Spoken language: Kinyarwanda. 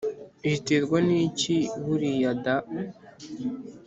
riterwa niki buriya daa